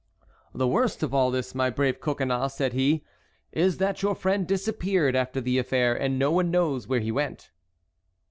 "The worst of all this, my brave Coconnas," said he, "is that your friend disappeared after the affair, and no one knows where he went."